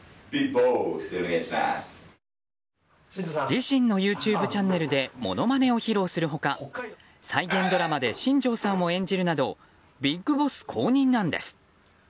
自身のＹｏｕＴｕｂｅチャンネルでものまねを披露する他再現ドラマで新庄さんを演じるなどＢＩＧＢＯＳＳ公認なんです。